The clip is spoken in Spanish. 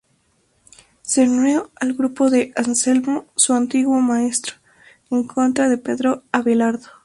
Se unió al grupo de Anselmo, su antiguo maestro, en contra de Pedro Abelardo.